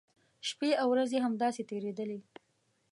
شپی او ورځې همداسې تېریدلې.